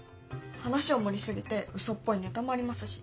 話を盛り過ぎてうそっぽいネタもありますし。